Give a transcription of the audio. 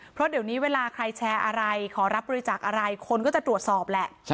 เพราะเดี๋ยวนี้เวลาใครแชร์อะไรขอรับบริจาคอะไรคนก็จะตรวจสอบแหละ